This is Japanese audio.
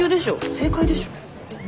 正解でしょ。ね？